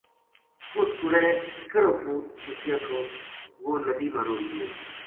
اُس کوڑے کِہڑو پوت چکیو تھو وہ ندی ما رُڑھ گیو